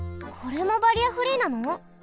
これもバリアフリーなの？